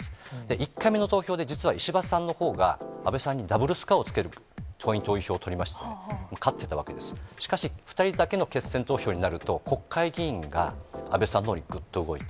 １回目の投票で実は石破さんのほうが、安倍さんにダブルスコアをつける党員・党友票を取りました、しかし２人だけの決選投票になると、国会議員が安倍さんのほうにぐっと動いた。